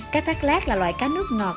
cá thác lát là loài cá nước ngọt